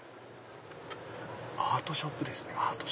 アートショップですね。